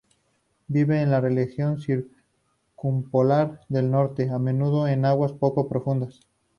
Vive en la región circumpolar del norte, a menudo en aguas poco profundas.